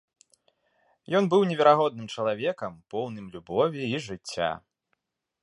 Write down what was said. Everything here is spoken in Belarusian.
Ён быў неверагодным чалавекам, поўным любові і жыцця.